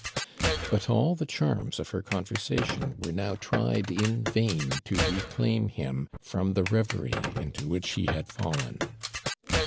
But all the charms of her conversation were now tried in vain to reclaim him from the reverie into which he had fallen.